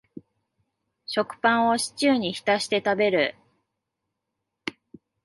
食パンをシチューに浸して食べる